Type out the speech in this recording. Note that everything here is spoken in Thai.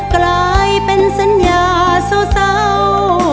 กลายเป็นสัญญาเศร้า